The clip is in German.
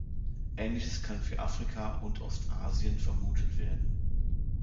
Ähnliches kann für Afrika und Ostasien vermutet werden.